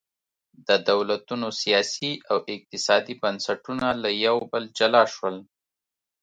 د دولتونو سیاسي او اقتصادي بنسټونه له یو بل جلا شول.